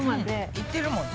いってるもんね。